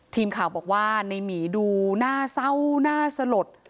ทีมข่าวบอกว่าไน่หมี่ดูหน้าเศร้าหน้าสะหรด